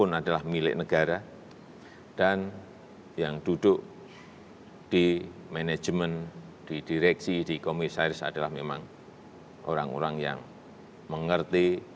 yang adalah milik negara dan yang duduk di manajemen di direksi di komisaris adalah memang orang orang yang mengerti